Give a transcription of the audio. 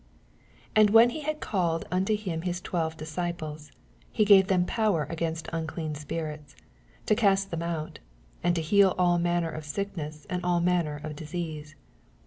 1 And when he had called nnto him his twelve disciples, he gave them power offairut unclean spirits, to cast them oat, and to heal all manner of siokness and all manner of disease.